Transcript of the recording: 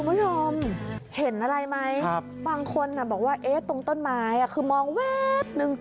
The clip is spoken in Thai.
คุณผู้ชมเห็นอะไรไหมบางคนบอกว่าตรงต้นไม้คือมองแวบนึง